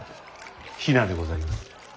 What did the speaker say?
比奈でございます。